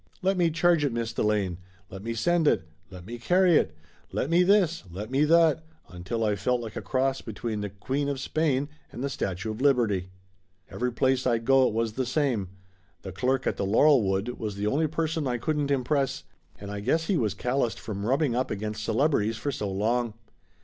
Let me charge it, Miss Delane, let me send it, let me carry it, let me this, let me that, until I felt like a cross between the queen of Spain and the Statue of Liberty. Every place I'd go it was the same. The clerk at the Laurelwood was the only person I couldn't impress, and I guess he was calloused from rubbing up against celebrities for so long.